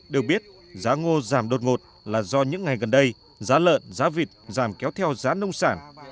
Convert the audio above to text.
được biết giá ngô giảm đột ngột là do những ngày gần đây giá lợn giá vịt giảm kéo theo giá nông sản